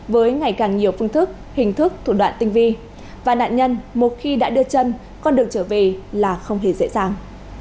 với ngày càng nhiều phương thức hình thức thủ đoạn tinh vi và nạn nhân một khi đã đưa chân con đường trở về là không hề dễ dàng